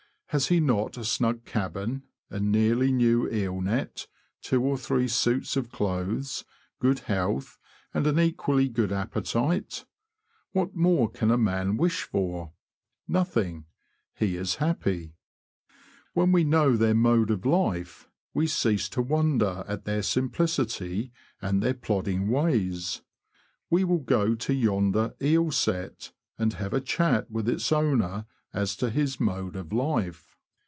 Has he not a snug cabin, a nearly new eel net, two or three suits of clothes, good health, and an equally good appetite? What more can a man wish for? Nothing : he is happy. When we know their mode of life, we cease to P 2 212 THE LAND OF THE BROADS. wonder at their simplicity and their plodding ways. We will go to yonder '^ eel set," and have a chat with its owner as to his mode of life.